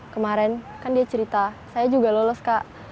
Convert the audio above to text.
kemarin kan dia cerita saya juga lolos kak